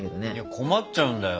困っちゃうんだよ。